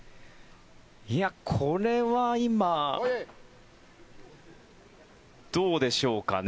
これは今、どうでしょうかね。